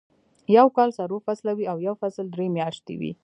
يو کال څلور فصله وي او يو فصل درې میاشتې وي.